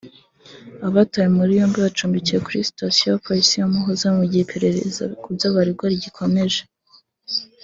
Abatawe muri yombi bacumbikiwe kuri Sitasiyo ya Polisi ya Muhoza mu gihe iperereza ku byo baregwa rigikomeje